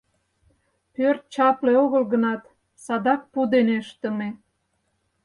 Пӧрт чапле огыл гынат, садак пу дене ыштыме.